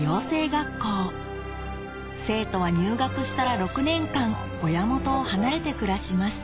学校生徒は入学したら６年間親元を離れて暮らします